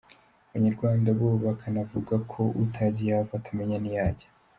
Abanyarwanda bo bakanavuga ko utazi iyo ava, atamenya n’iyo ajya.